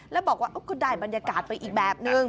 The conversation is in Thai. แล้วบอกว่าก็ได้บรรยากาศไปอีกแบบนึง